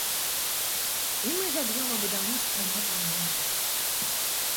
І мы ж аб'ёмы будаўніцтва не плануем.